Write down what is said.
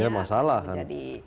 ya masalah kan